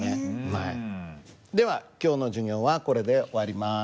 では今日の授業はこれで終わります。